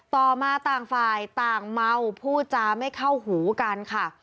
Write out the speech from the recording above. ต่อมาต่างฝ่ายต่างเมาพูดจาไม่เข้าหูกันค่ะ